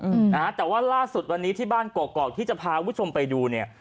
อืมนะฮะแต่ว่าล่าสุดวันนี้ที่บ้านกรอกกอกที่จะพาคุณผู้ชมไปดูเนี่ย